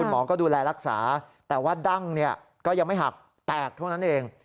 หมอก็ดูแลรักษาแต่ว่าดั้งก็ยังไม่หักแตกเท่านั้นเอง